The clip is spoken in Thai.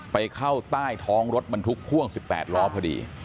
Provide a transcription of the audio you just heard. ไปเข้าใต้ท้องรถบรรทุกพ่วง๑๘ล้อพอดี